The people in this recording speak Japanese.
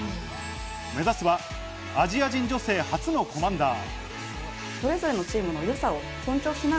目指すはアジア人女性初のコマンダー。